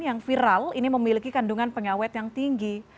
yang viral ini memiliki kandungan pengawet yang tinggi